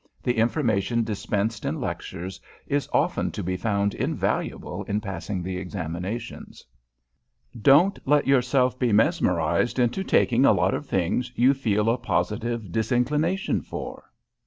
The information dispensed in lectures is often to be found invaluable in passing the Examinations. [Sidenote: CHOOSING COURSES] Don't let yourself be mesmerized into taking a lot of things you feel a positive disinclination for.